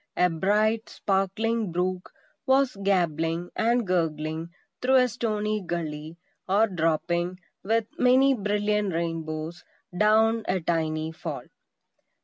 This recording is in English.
A bright, sparkling brook was gabbling and gurgling through a stony gully, or dropping, with many brilliant rainbows, down a tiny fall.